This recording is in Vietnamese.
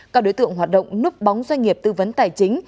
các đối tượng hoạt động núp bóng doanh nghiệp tư vấn tài chính